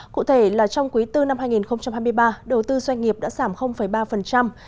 cụ thể là trong quý bốn năm hai nghìn hai mươi ba đầu tư doanh nghiệp đã giảm ba